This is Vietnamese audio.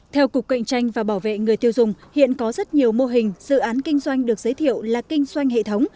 theo cục cạnh tranh và bảo vệ người tiêu dùng hiện có rất nhiều mô hình dự án kinh doanh được giới thiệu là kinh doanh hệ thống